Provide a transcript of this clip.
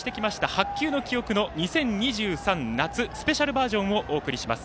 「白球の記憶」の２０２３夏バージョンをお届けします。